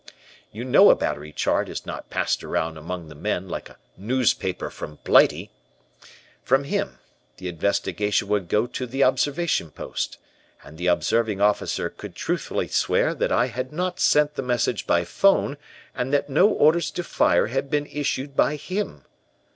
You know a battery chart is not passed around among the men like a newspaper from Blighty. From him, the investigation would go to the observation post, and the observing officer could truthfully swear that I had not sent the message by 'phone' and that no orders to fire had been issued by him.